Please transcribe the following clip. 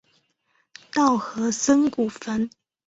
稻荷森古坟。